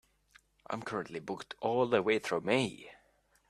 I'm currently booked all the way through May.